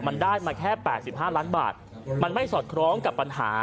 มันได้มาแค่๘๕ล้านบาทมันไม่สอดคล้องกับปัญหา